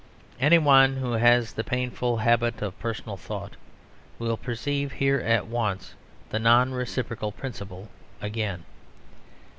Any one who has the painful habit of personal thought, will perceive here at once the non reciprocal principle again.